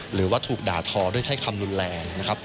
หรือว่าถูกด่าทอด้วยใช้คำรุนแรงนะครับ